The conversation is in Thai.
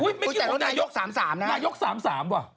ไม่คิดว่าน่ายก๓๓นะว่ะ